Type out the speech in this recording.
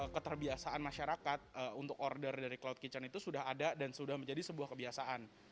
keterbiasaan masyarakat untuk order dari cloud kitchen itu sudah ada dan sudah menjadi sebuah kebiasaan